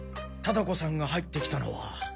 唯子さんが入ってきたのは。